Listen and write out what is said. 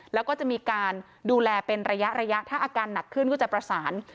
แล้วก็จะมีการดูแลเป็นระยะระยะถ้าอาการหนักขึ้นก็จะประสาน